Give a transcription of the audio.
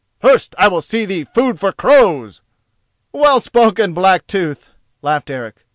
First I will see thee food for crows." "Well spoken, Blacktooth," laughed Eric.